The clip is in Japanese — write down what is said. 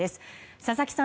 佐々木さん